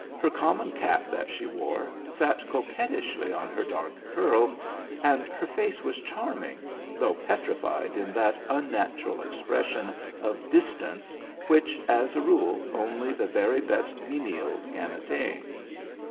Her common cap that she wore sat coquettishly on her dark curls, and her face was charming, though petrified in that unnatural expression of distance which, as a rule, only the very best menials can attain.